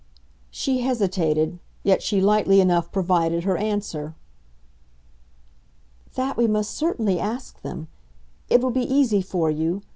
She hesitated, yet she lightly enough provided her answer. "That we must certainly ask them. It will be easy for you.